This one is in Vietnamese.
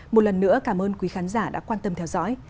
một lần nữa cảm ơn quý khán giả đã quan tâm theo dõi